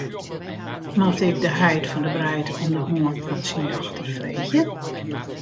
Moat ik de heit fan de breid om de hân fan syn dochter freegje?